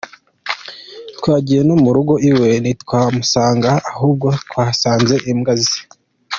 Twagiye no mu rugo iwe ntitwahamusanga ahubwo twahasanze imbwa ze.